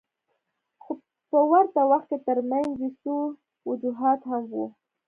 خو په ورته وخت کې ترمنځ یې څو وجوهات هم وو.